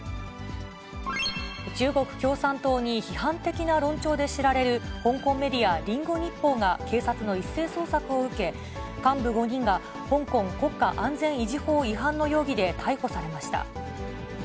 中国共産党に批判的な論調で知られる、香港メディア、リンゴ日報が警察の一斉捜索を受け、幹部５人が香港国家安全維持法違反の容疑で逮捕されました。